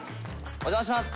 お邪魔します。